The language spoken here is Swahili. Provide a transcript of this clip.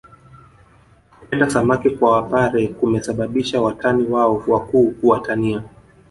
Kupenda samaki kwa wapare kumesababisha watani wao wakuu kuwatania